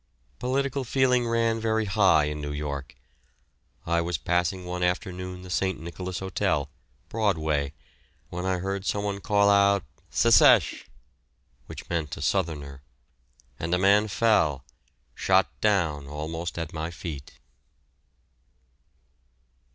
Political feeling ran very high in New York. I was passing one afternoon the St. Nicholas Hotel, Broadway, when I heard someone call out "Sesesh" (which meant a Southerner), and a man fell, shot down almost at my feet.